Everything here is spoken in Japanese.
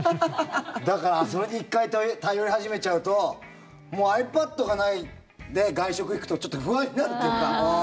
だから、それに１回頼り始めちゃうともうｉＰａｄがないで外食に行くとちょっと不安になるというか。